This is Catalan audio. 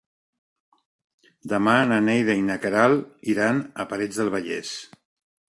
Demà na Neida i na Queralt iran a Parets del Vallès.